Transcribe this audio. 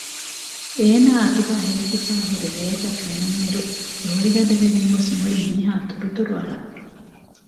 އޭނާ އަތުގައި ހޭކިފައި ހުރި ލޭތައް ފެނުނުއިރު ރުޅި ގަދަވެގެން ގޮސް މުޅިމީހާ ތުރުތުރު އަޅަ